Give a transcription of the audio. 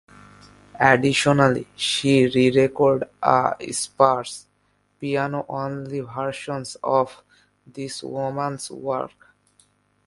Additionally, she re-recorded a sparse, piano-only version of "This Woman's Work".